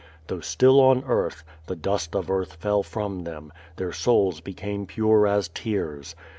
Though still on earth, the dust of earth fell from them; their souls became pure as tears.